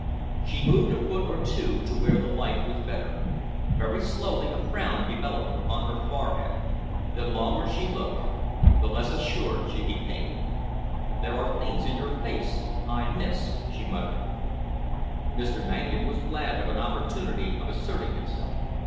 She moved a foot or two to where the light was better. Very slowly a frown developed upon her forehead. The longer she looked, the less assured she became. "There are things in your face I miss," she muttered. Mr. Mangan was glad of an opportunity of asserting himself.